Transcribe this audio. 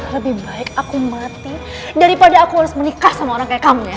lebih baik aku mati daripada aku harus menikah sama orang kayak kamu ya